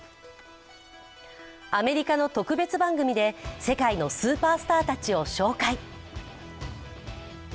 アメリカの特別番組で世界のスーパースターたちを紹介。